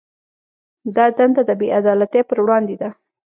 دا دنده د بې عدالتۍ پر وړاندې ده.